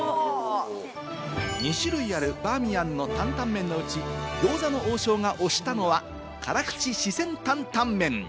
２種類あるバーミヤンの担々麺のうち、餃子の王将が推したのは、辛口四川担々麺。